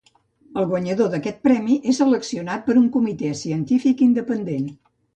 El guanyador d'aquest premi és seleccionat per un comitè científic independent.